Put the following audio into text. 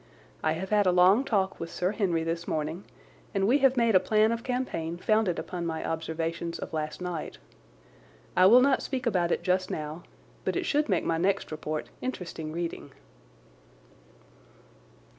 I have had a long talk with Sir Henry this morning, and we have made a plan of campaign founded upon my observations of last night. I will not speak about it just now, but it should make my next report interesting reading.